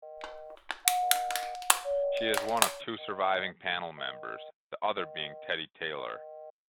She is one of two surviving panel members, the other being Teddy Taylor.